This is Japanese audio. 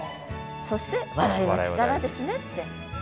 そして笑いは力ですねって。